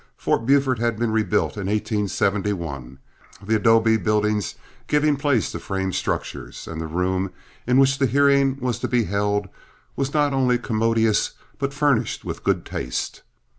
Fort Buford had been rebuilt in 1871, the adobe buildings giving place to frame structures, and the room in which the hearing was to be held was not only commodious but furnished with good taste.